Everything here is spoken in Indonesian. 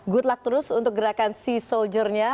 good luck terus untuk gerakan sea soldier nya